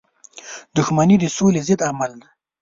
• دښمني د سولی ضد عمل دی.